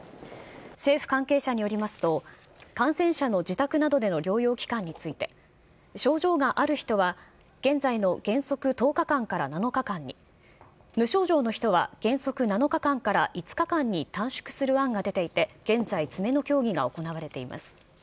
政府関係者によりますと、感染者の自宅などでの療養期間について、症状がある人は現在の原則１０日間から７日間に、無症状の人は原則７日間から５日間に短縮する案が出ていて、現在、詰めの協議が行われています。